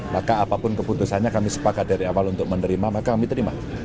maka apapun keputusannya kami sepakat dari awal untuk menerima